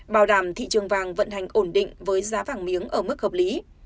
bảo đảm thị trường vàng vận hành ổn định với giá vàng miếng ở mức hợp lý